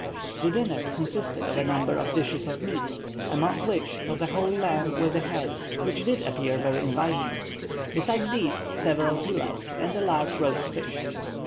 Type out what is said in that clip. The dinner consisted of a number of dishes of meat, among which was a whole lamb with the head, which did appear very inviting; besides these, several pilaus, and a large roast fish.